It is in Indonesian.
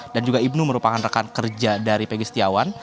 dan juga ibnu merupakan rekan kerja dari pegi setiawan